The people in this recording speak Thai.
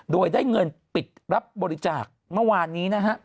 โดยได้เงินปิดรับบริจาคเมื่อวานนี้นะฮะ